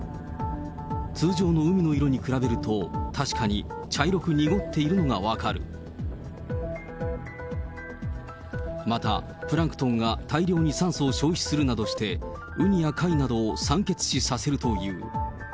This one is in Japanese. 通常の海の色に比べると、またプランクトンが大量に酸素を消費するなどして、ウニや貝などを酸欠死させるという。